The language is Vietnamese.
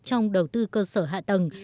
trong đầu tư cơ sở hạ tầng